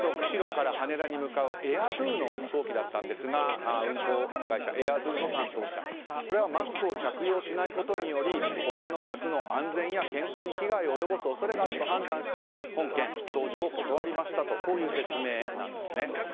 釧路から羽田に向かうＡＩＲＤＯの飛行機だったんですが運航会社ＡＩＲＤＯの担当者はマスクを着用しないことにより他の客の安全や健康に被害を及ぼす恐れがあると判断して本件搭乗を断りましたという説明なんですね。